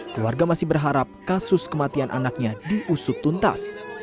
keluarga masih berharap kasus kematian anaknya diusut tuntas